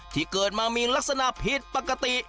ที่เกิดมามีลักษณะผิดปกติ